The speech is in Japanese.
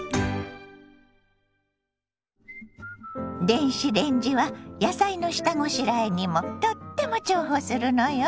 電子レンジは野菜の下ごしらえにもとっても重宝するのよ。